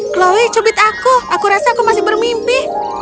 chloe cubit aku aku rasa aku masih bermimpi